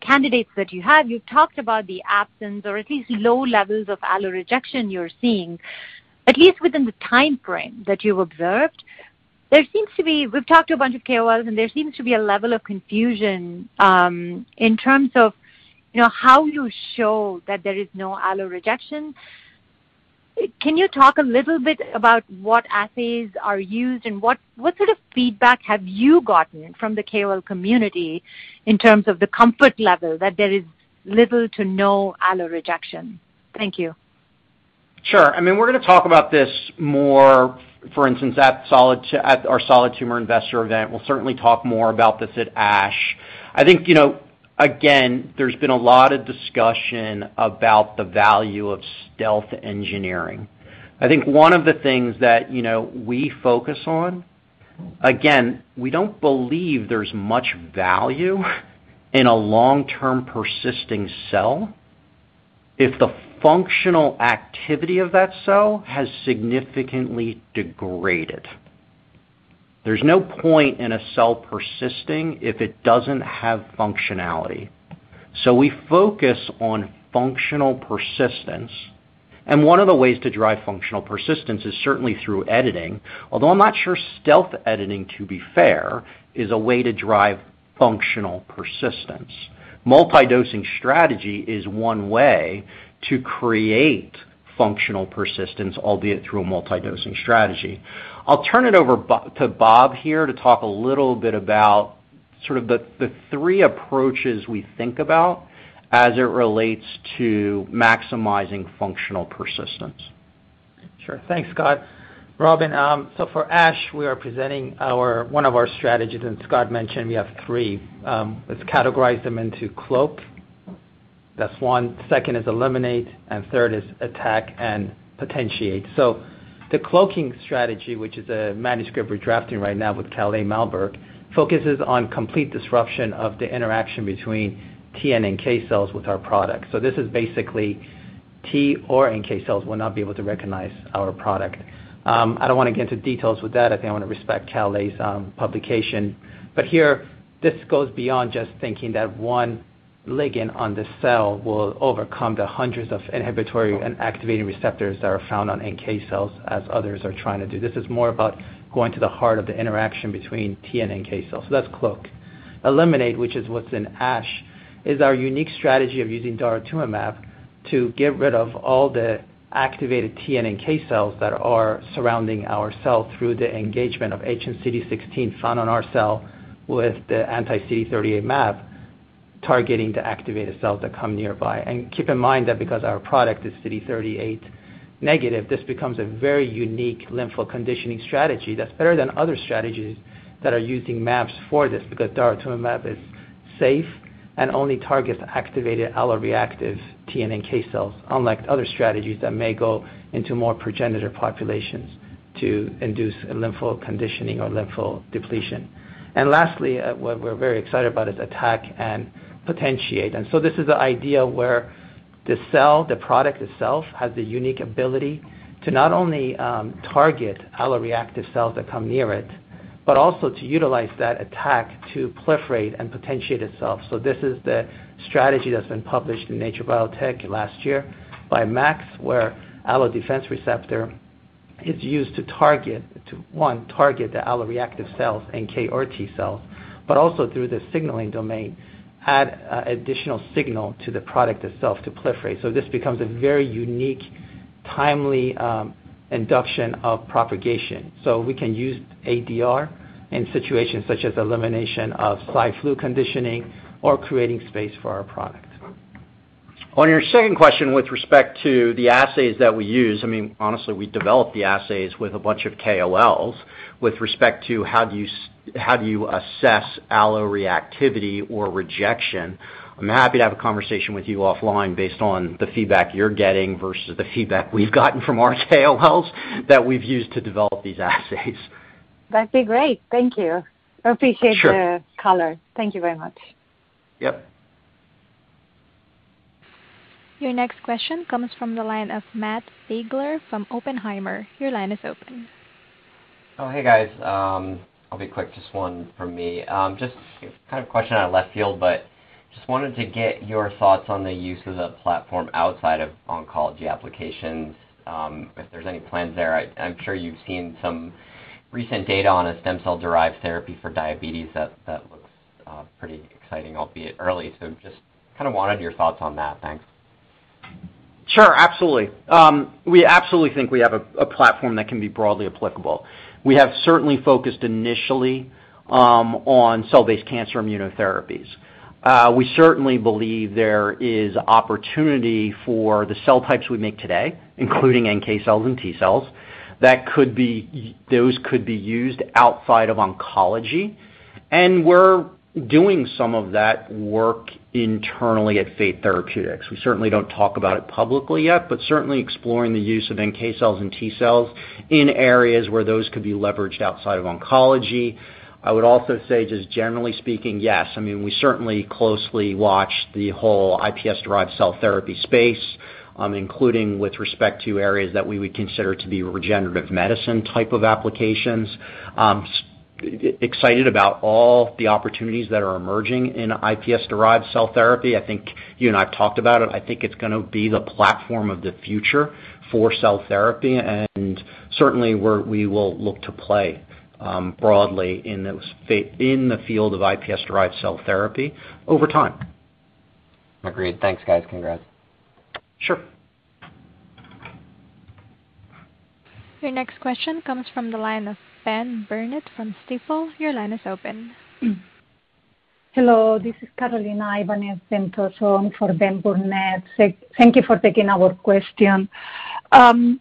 candidates that you have, you've talked about the absence or at least low levels of allorejection you're seeing, at least within the timeframe that you've observed. We've talked to a bunch of KOLs, and there seems to be a level of confusion in terms of, you know, how you show that there is no allorejection. Can you talk a little bit about what assays are used and what sort of feedback have you gotten from the KOL community in terms of the comfort level that there is little to no allorejection? Thank you. Sure. I mean, we're gonna talk about this more, for instance, at our solid tumor investor event. We'll certainly talk more about this at ASH. I think, you know, again, there's been a lot of discussion about the value of stealth engineering. I think one of the things that, you know, we focus on, again, we don't believe there's much value in a long-term persisting cell if the functional activity of that cell has significantly degraded. There's no point in a cell persisting if it doesn't have functionality. So we focus on functional persistence, and one of the ways to drive functional persistence is certainly through editing. Although I'm not sure stealth editing, to be fair, is a way to drive functional persistence. Multi-dosing strategy is one way to create functional persistence, albeit through a multi-dosing strategy. I'll turn it over to Bob here to talk a little bit about sort of the three approaches we think about as it relates to maximizing functional persistence. Sure. Thanks, Scott. Robyn, for ASH, we are presenting our one of our strategies, and Scott mentioned we have three. Let's categorize them into cloak, that's one. Second is eliminate, and third is attack and potentiate. The cloaking strategy, which is a manuscript we're drafting right now with Kalle Malmberg, focuses on complete disruption of the interaction between T and NK cells with our product. This is basically T or NK cells will not be able to recognize our product. I don't wanna get into details with that. I think I wanna respect Kalle's publication. Here, this goes beyond just thinking that one ligand on the cell will overcome the hundreds of inhibitory and activating receptors that are found on NK cells as others are trying to do. This is more about going to the heart of the interaction between T and NK cells. That's cloak. Eliminate, which is what's in ASH, is our unique strategy of using daratumumab to get rid of all the activated T and NK cells that are surrounding our cell through the engagement of hnCD16 found on our cell with the anti-CD38 mAb targeting the activated cells that come nearby. Keep in mind that because our product is CD38 negative, this becomes a very unique lympho-conditioning strategy that's better than other strategies that are using mAbs for this because daratumumab is safe and only targets activated alloreactive T and NK cells, unlike other strategies that may go into more progenitor populations to induce lympho-conditioning or lympho-depletion. Lastly, what we're very excited about is attack and potentiate. This is the idea where the cell, the product itself, has the unique ability to not only target alloreactive cells that come near it, but also to utilize that attack to proliferate and potentiate itself. This is the strategy that's been published in Nature Biotech last year by Max, where allo defense receptor is used to one, target the alloreactive cells, NK or T cells, but also through the signaling domain, add additional signal to the product itself to proliferate. This becomes a very unique, timely induction of propagation. We can use ADR in situations such as elimination of Cy/Flu conditioning or creating space for our product. On your second question with respect to the assays that we use, I mean, honestly, we developed the assays with a bunch of KOLs. With respect to how do you assess alloreactivity or rejection, I'm happy to have a conversation with you offline based on the feedback you're getting versus the feedback we've gotten from our KOLs that we've used to develop these assays. That'd be great. Thank you. Sure. I appreciate the color. Thank you very much. Yep. Your next question comes from the line of [Matt Sagler] from Oppenheimer. Your line is open. Oh, hey, guys. I'll be quick, just one from me. Just kind of question out of left field, but just wanted to get your thoughts on the use of the platform outside of oncology applications, if there's any plans there. I'm sure you've seen some recent data on a stem cell-derived therapy for diabetes that looks pretty exciting, albeit early. Just kind of wanted your thoughts on that. Thanks. Sure. Absolutely. We absolutely think we have a platform that can be broadly applicable. We have certainly focused initially on cell-based cancer immunotherapies. We certainly believe there is opportunity for the cell types we make today, including NK cells and T cells, that could be those could be used outside of oncology, and we're doing some of that work internally at Fate Therapeutics. We certainly don't talk about it publicly yet, but certainly exploring the use of NK cells and T cells in areas where those could be leveraged outside of oncology. I would also say, just generally speaking, yes, I mean, we certainly closely watch the whole iPSC-derived cell therapy space, including with respect to areas that we would consider to be regenerative medicine type of applications. Excited about all the opportunities that are emerging in iPSC-derived cell therapy. I think you and I have talked about it. I think it's gonna be the platform of the future for cell therapy, and certainly we will look to play broadly in the field of iPSC-derived cell therapy over time. Agreed. Thanks, guys. Congrats. Sure. Your next question comes from the line of Ben Burnett from Stifel. Your line is open. Hello, this is Carolina Ibanez Ventoso for Ben Burnett. Thank you for taking our question. On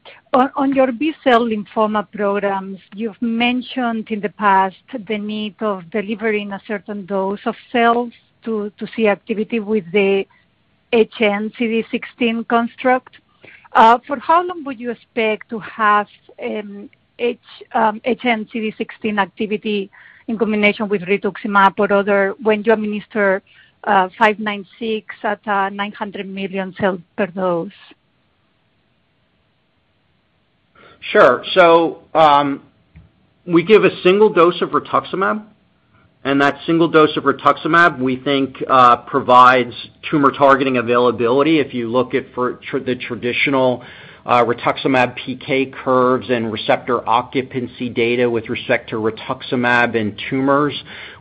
your B-cell lymphoma programs, you've mentioned in the past the need of delivering a certain dose of cells to see activity with the hnCD16 construct. For how long would you expect to have hnCD16 activity in combination with rituximab or other when you administer FT596 at 900 million cells per dose? Sure. We give a single dose of rituximab, and that single dose of rituximab, we think, provides tumor targeting availability. If you look at the traditional rituximab PK curves and receptor occupancy data with respect to rituximab in tumors,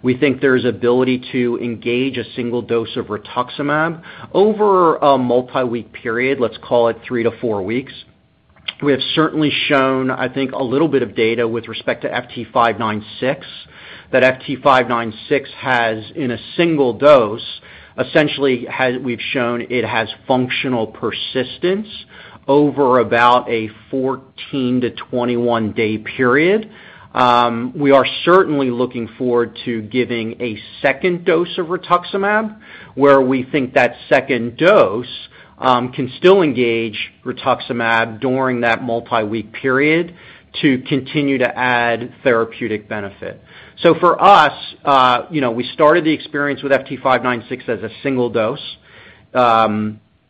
we think there's ability to engage a single dose of rituximab over a multi-week period, let's call it three to four weeks. We have certainly shown, I think, a little bit of data with respect to FT596, that FT596 has, in a single dose, functional persistence over about a 14-21 day period. We are certainly looking forward to giving a second dose of rituximab, where we think that second dose can still engage rituximab during that multi-week period to continue to add therapeutic benefit. For us, you know, we started the expansion with FT596 as a single dose.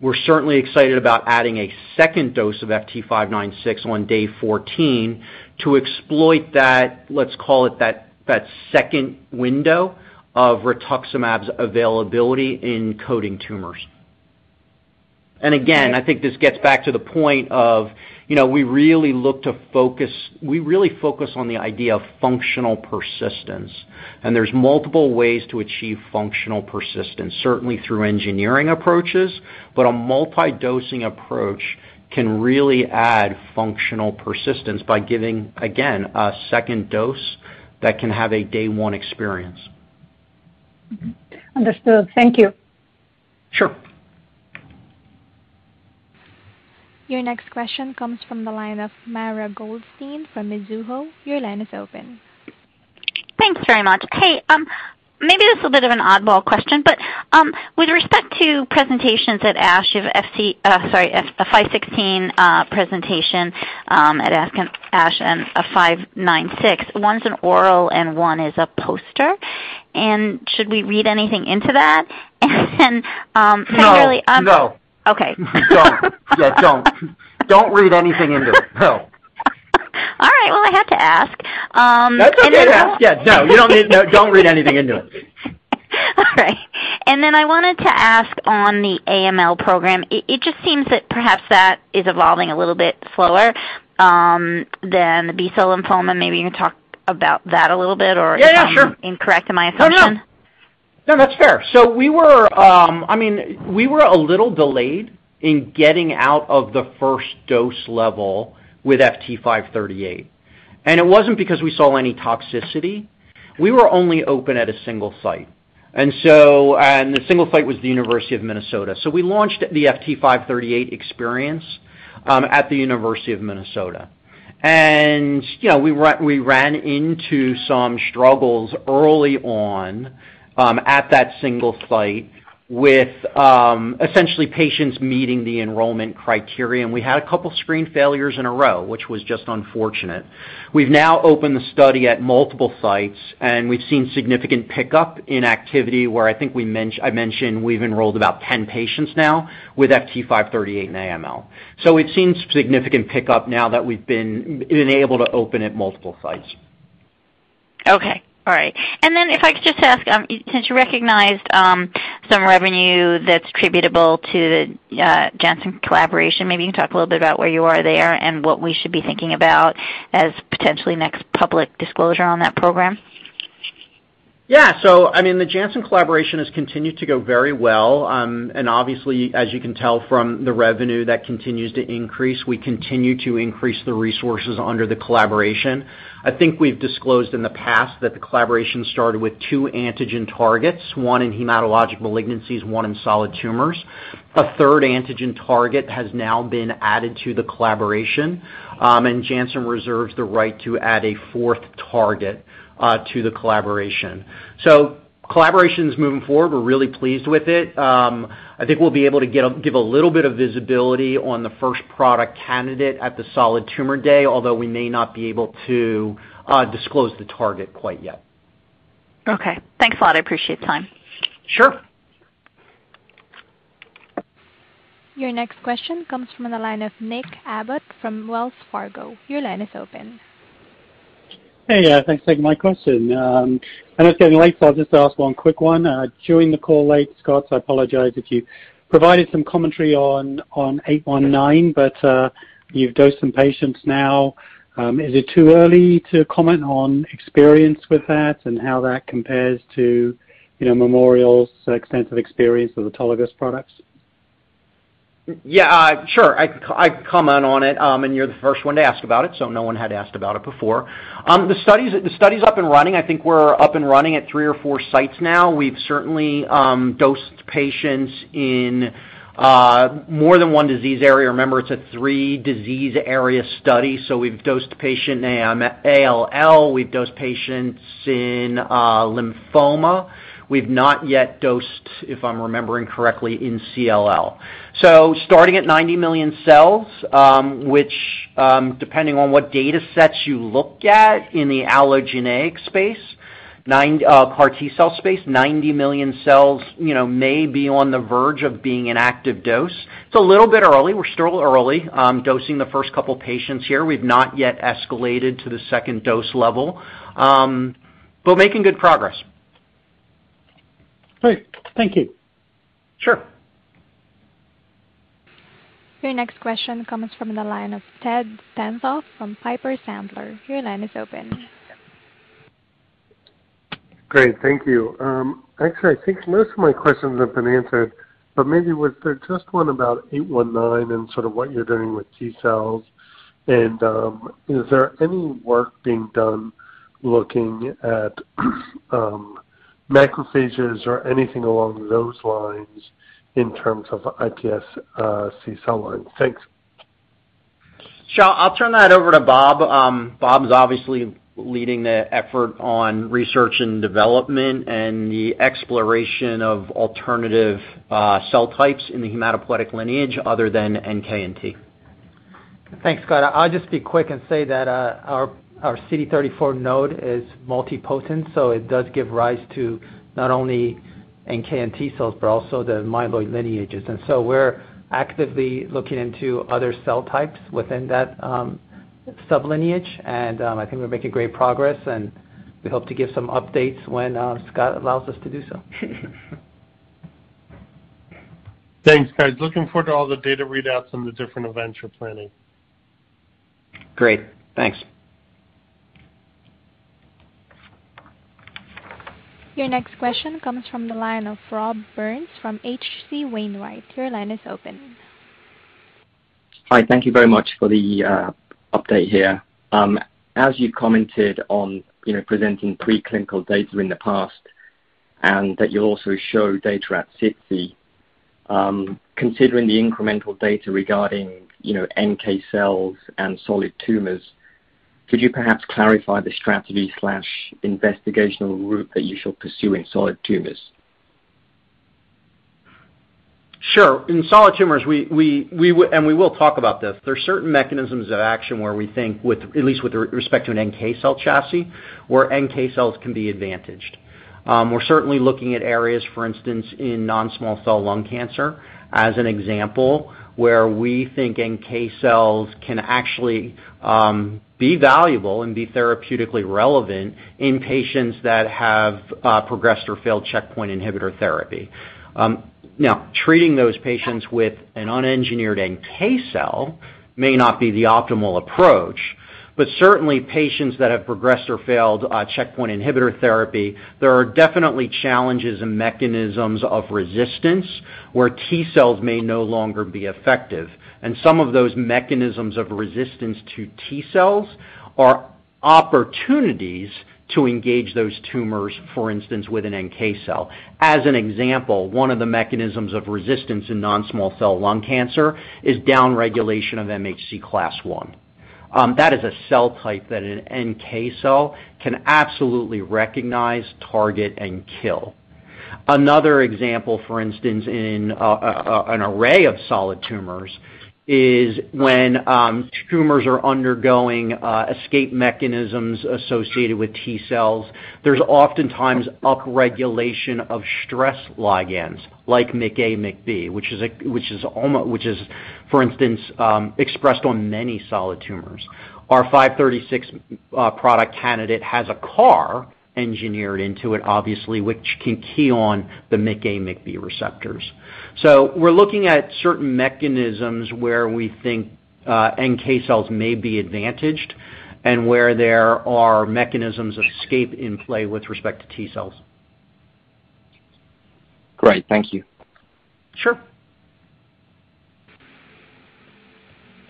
We're certainly excited about adding a second dose of FT596 on day 14 to exploit that, let's call it that second window of rituximab's availability in coating tumors. I think this gets back to the point of, you know, we really focus on the idea of functional persistence, and there's multiple ways to achieve functional persistence, certainly through engineering approaches, but a multi-dosing approach can really add functional persistence by giving, again, a second dose that can have a day one experience. Understood. Thank you. Sure. Your next question comes from the line of Mara Goldstein from Mizuho. Your line is open. Thanks very much. Hey, maybe this is a bit of an oddball question, but, with respect to presentations at ASH, you have FT516 presentation at ASH and FT596. One's an oral and one is a poster. Should we read anything into that? Primarily- No. Okay. Don't. Yeah, don't. Don't read anything into it. No. All right. Well, I had to ask, and then I. That's okay to ask. Yeah. No, don't read anything into it. All right. I wanted to ask on the AML program, it just seems that perhaps that is evolving a little bit slower than the B-cell lymphoma. Maybe you can talk about that a little bit or Yeah. Yeah, sure. Am I incorrect in my assumption? No, no. No, that's fair. We were. I mean, we were a little delayed in getting out of the first dose level with FT538. It wasn't because we saw any toxicity. We were only open at a single site. The single site was the University of Minnesota. We launched the FT538 expansion at the University of Minnesota. You know, we ran into some struggles early on at that single site with essentially patients meeting the enrollment criteria. We had a couple screen failures in a row, which was just unfortunate. We've now opened the study at multiple sites, and we've seen significant pickup in activity where I think I mentioned we've enrolled about 10 patients now with FT538 and AML. It seems significant pickup now that we've been able to open at multiple sites. Okay. All right. If I could just ask, since you recognized some revenue that's attributable to Janssen collaboration, maybe you can talk a little bit about where you are there and what we should be thinking about as potentially next public disclosure on that program? Yeah. I mean, the Janssen collaboration has continued to go very well. Obviously, as you can tell from the revenue that continues to increase, we continue to increase the resources under the collaboration. I think we've disclosed in the past that the collaboration started with two antigen targets, one in hematologic malignancies, one in solid tumors. A third antigen target has now been added to the collaboration, and Janssen reserves the right to add a fourth target to the collaboration. Collaboration is moving forward. We're really pleased with it. I think we'll be able to give a little bit of visibility on the first product candidate at the Solid Tumor Day, although we may not be able to disclose the target quite yet. Okay. Thanks a lot. I appreciate the time. Sure. Your next question comes from the line of Nick Abbott from Wells Fargo. Your line is open. Hey. Thanks for taking my question. I know it's getting late, so I'll just ask one quick one. During the call already, Scott, so I apologize if you provided some commentary on FT819, but you've dosed some patients now. Is it too early to comment on experience with that and how that compares to, you know, Memorial's extensive experience with autologous products? Yeah, sure. I can comment on it. You're the first one to ask about it, so no one had asked about it before. The study is up and running. I think we're up and running at three or four sites now. We've certainly dosed patients in more than one disease area. Remember, it's a three disease area study, so we've dosed patient in ALL. We've dosed patients in lymphoma. We've not yet dosed, if I'm remembering correctly, in CLL. Starting at 90 million cells, which, depending on what data sets you look at in the allogeneic space, CAR T-cell space, 90 million cells, you know, may be on the verge of being an active dose. It's a little bit early. We're still early dosing the first couple patients here. We've not yet escalated to the second dose level, but making good progress. Great. Thank you. Sure. Your next question comes from the line of Ted Tenthoff from Piper Sandler. Your line is open. Great. Thank you. Actually, I think most of my questions have been answered, but maybe with just one about FT819 and sort of what you're doing with T cells. Is there any work being done looking at macrophages or anything along those lines in terms of iPSC cell line? Thanks. Sure. I'll turn that over to Bob. Bob is obviously leading the effort on research and development and the exploration of alternative cell types in the hematopoietic lineage other than NK and T. Thanks, Scott. I'll just be quick and say that our CD34 node is multipotent, so it does give rise to not only NK and T cells, but also the myeloid lineages. We're actively looking into other cell types within that sublineage, and I think we're making great progress, and we hope to give some updates when Scott allows us to do so. Thanks, guys. Looking forward to all the data readouts and the different events you're planning. Great. Thanks. Your next question comes from the line of Rob Burns from H.C. Wainwright. Your line is open. Hi. Thank you very much for the update here. As you commented on, you know, presenting pre-clinical data in the past, and that you'll also show data at SITC, considering the incremental data regarding, you know, NK cells and solid tumors, could you perhaps clarify the strategy slash investigational route that you shall pursue in solid tumors? Sure. In solid tumors, we will talk about this. There are certain mechanisms of action where we think, at least with respect to an NK cell chassis, where NK cells can be advantaged. We're certainly looking at areas, for instance, in non-small cell lung cancer as an example, where we think NK cells can actually be valuable and be therapeutically relevant in patients that have progressed or failed checkpoint inhibitor therapy. Now, treating those patients with an unengineered NK cell may not be the optimal approach, but certainly patients that have progressed or failed checkpoint inhibitor therapy, there are definitely challenges and mechanisms of resistance where T cells may no longer be effective. Some of those mechanisms of resistance to T cells are opportunities to engage those tumors, for instance, with an NK cell. As an example, one of the mechanisms of resistance in non-small cell lung cancer is downregulation of MHC class I. That is a cell type that an NK cell can absolutely recognize, target, and kill. Another example, for instance, in an array of solid tumors is when tumors are undergoing escape mechanisms associated with T cells. There's oftentimes upregulation of stress ligands like MICA, MICB, which is, for instance, expressed on many solid tumors. Our FT536 product candidate has a CAR engineered into it, obviously, which can key on the MICA, MICB receptors. We're looking at certain mechanisms where we think NK cells may be advantaged and where there are mechanisms of escape in play with respect to T cells. Great. Thank you. Sure.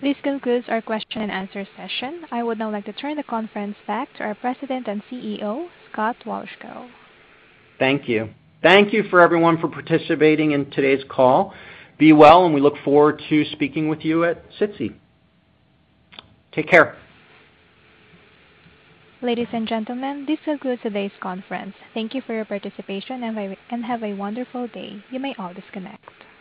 This concludes our question and answer session. I would now like to turn the conference back to our President and CEO, Scott Wolchko. Thank you. Thank you for everyone for participating in today's call. Be well, and we look forward to speaking with you at SITC. Take care. Ladies and gentlemen, this concludes today's conference. Thank you for your participation, and have a wonderful day. You may all disconnect.